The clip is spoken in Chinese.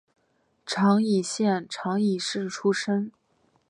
长崎县长崎市出身。